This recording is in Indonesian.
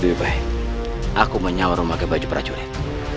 lebih baik aku menyawar rumah kebaju prajurit